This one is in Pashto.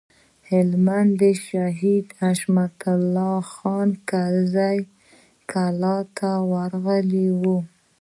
هلته د شهید حشمت الله خان کرزي کلا ته ورغلو.